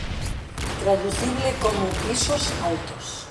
Traducible como «pisos altos».